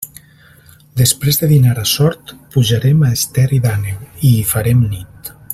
Després de dinar a Sort, pujarem a Esterri d'Àneu, i hi farem nit.